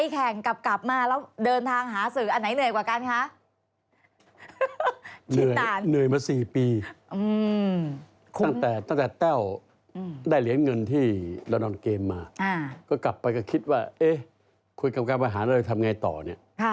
ตั้งแต่แต้วได้เหรียญเงินที่เรานอนเกมมาก็กลับไปก็คิดว่าเอ๊ะคุยกับการไว้หาเราจะทำไงต่อเนี่ย